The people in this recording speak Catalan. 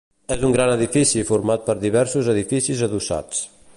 És un gran edifici format per diversos edificis adossats.